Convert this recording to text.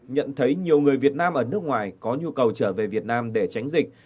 nhận thấy nhiều người việt nam ở nước ngoài có nhu cầu trở về việt nam để tránh dịch